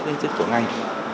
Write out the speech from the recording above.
viên chức của ngành